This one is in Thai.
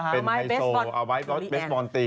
เป็นไฮโซเอาไว้เบสบอลตี